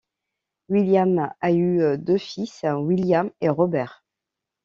William a eu deux fils, William et Robert.